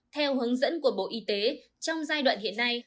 theo hướng dẫn của bộ y tế trong giai đoạn hiện nay